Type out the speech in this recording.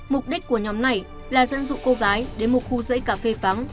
mục đích của nhóm này là dẫn dụ cô gái đến một khu rễ cà phê vắng